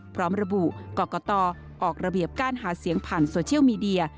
พร้อมระบุกรกตออกระเบียบการหาเสียงผ่านโซเชียลมีเดีย